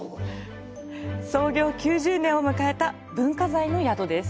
創業９０年を迎えた文化財の宿です。